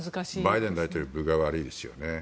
バイデン大統領は分が悪いですよね。